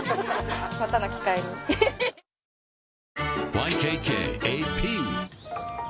ＹＫＫＡＰ